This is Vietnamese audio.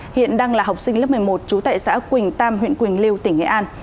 hiện đang là học sinh lớp một mươi một trú tại xã quỳnh tam huyện quỳnh lưu tỉnh nghệ an